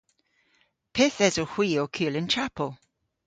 Pyth esowgh hwi ow kul y'n chapel?